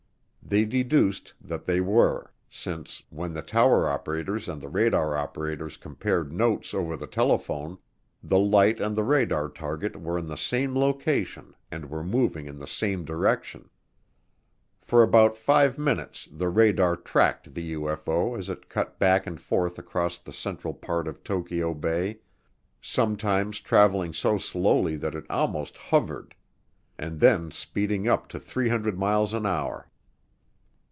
They deduced that they were since, when the tower operators and the radar operators compared notes over the telephone, the light and the radar target were in the same location and were moving in the same direction. For about five minutes the radar tracked the UFO as it cut back and forth across the central part of Tokyo Bay, sometimes traveling so slowly that it almost hovered and then speeding up to 300 miles an hour.